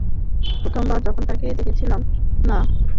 প্রথমবার যখন ওকে দেখেছিলাম না, মন্দার বাবুর থেকে পালাচ্ছিলো।